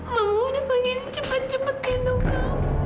mama udah pengen cepet cepet nunggu kamu